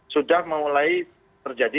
sudah mulai terjadi